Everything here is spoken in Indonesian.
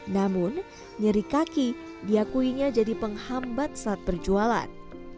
namun nyeri kaki diakuinya jadi penghambat saat perjualan